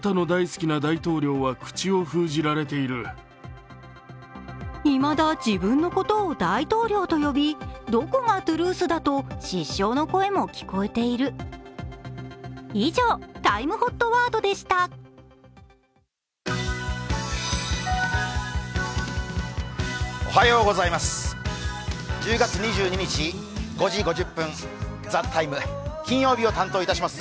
おはようございます。